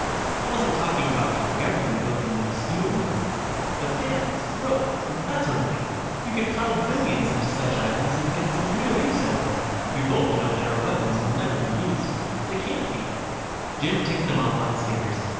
"I wasn't talking about your government building new steel mills. But dams, roads, that sort of thing. You could plow billions into such items and get some real use out of them. We both know that our weapons will never be used they can't be." Jim ticked them off on his fingers.